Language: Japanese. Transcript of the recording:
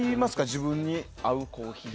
自分に合うコーヒー。